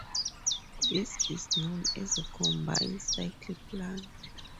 This is known as a combined cycle plant.